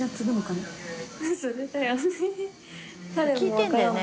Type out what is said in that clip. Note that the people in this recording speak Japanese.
聞いてるんだよね？